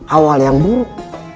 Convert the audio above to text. awal yang buruk